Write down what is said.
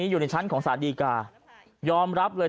อยู่ในชั้นของสารดีกายอมรับเลย